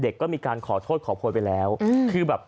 ก็มีการขอโทษขอโพยไปแล้วคือแบบ